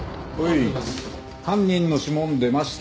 犯人の指紋出ました。